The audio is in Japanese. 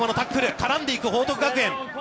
絡んでいく報徳学園。